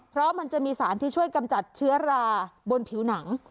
เพราะมันจะมีสารที่ช่วยกำจัดเชื้อราบนผิวหนัง